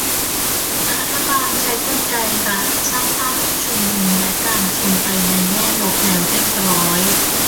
รัฐบาลใช้กลไกรัฐสร้างภาพผู้ชุมนุมและการชุมไปในแง่ลบแล้วเรียบร้อย